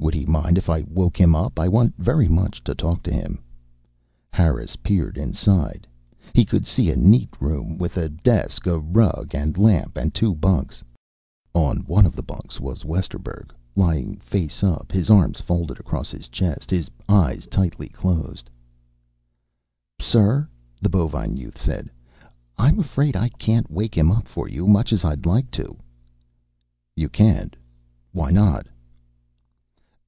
"Would he mind if I woke him up? I want very much to talk to him." Harris peered inside. He could see a neat room, with a desk, a rug and lamp, and two bunks. On one of the bunks was Westerburg, lying face up, his arms folded across his chest, his eyes tightly closed. "Sir," the bovine youth said, "I'm afraid I can't wake him up for you, much as I'd like to." "You can't? Why not?"